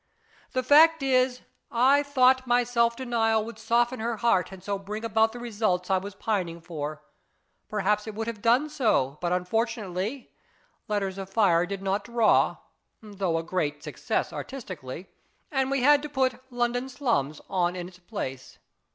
The fact is, I thought my self denial would soften her heart and so bring about the results I was pining for. Perhaps it would have done so, but unfortunately, ' Letters of Fire ' did not draw (though a great success artistically), and we had to put ' London Slums ' on in its place.